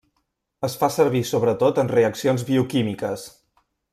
Es fa servir sobretot en reaccions bioquímiques.